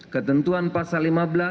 ketentuan pasal lima belas